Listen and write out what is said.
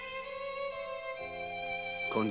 勘定